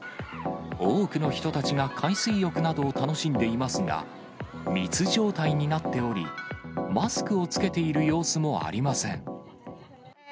多くの人たちが海水浴などを楽しんでいますが、密状態になっており、マスクを着けている様子もありません。